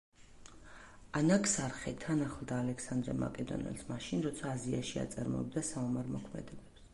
ანაქსარხე თან ახლდა ალექსანდრე მაკედონელს მაშინ როცა აზიაში აწარმოებდა საომარ მოქმედებებს.